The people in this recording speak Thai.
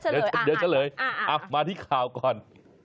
เดี๋ยวค่อยเฉลยอ่ามาที่ข่าวก่อน